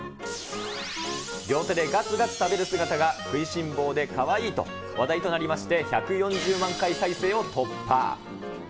両手でがつがつ食べる姿が、食いしん坊でかわいいと、話題となりまして、１４０万回再生を突破。